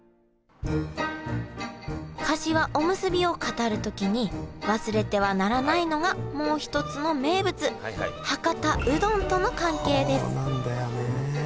かしわおむすびを語る時に忘れてはならないのがもう一つの名物博多うどんとの関係です。